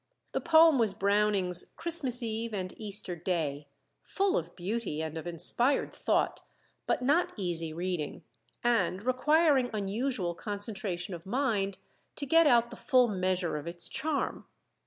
The poem was Browning's "Christmas Eve and Easter Day," full of beauty and of inspired thought, but not easy reading, and requiring unusual concentration of mind to get out the full measure of its charm.